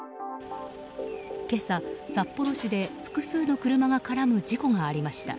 今朝、札幌市で複数の車が絡む事故がありました。